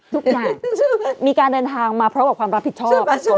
ทุกอย่างมีการเดินทางมาพร้อมกับความรับผิดชอบ